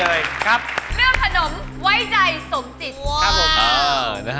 เรื่องขนมไว้ใจสมจิต